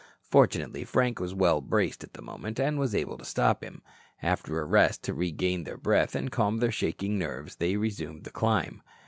Fortunately, Frank was well braced at the moment and was able to stop him. After a rest to regain their breath and calm their shaking nerves, they resumed the climb.